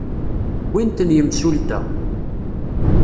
Wwin-ten yimsulta.